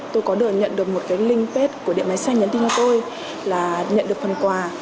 tôi có được nhận được một cái link pet của điện máy xe nhắn tin cho tôi là nhận được phần quà